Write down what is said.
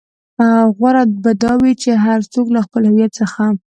غوره به دا وي چې هر څوک له خپل هويت څخه.